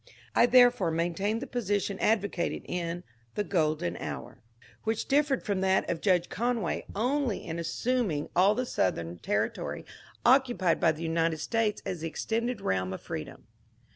I therefore maintained the position advocated in The Golden Hour," THE COMMONWEALTH 369 which differed from that of Judge Conway only in assuming all the Southern territory occupied by the United States as the extended realm of freedom.